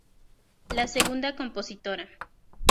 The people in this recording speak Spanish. La segunda compositora.